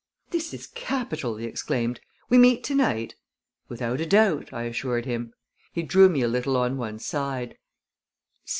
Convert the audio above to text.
"This is capital!" he exclaimed. "We meet tonight?" "Without a doubt," I assured him. He drew me a little on one side.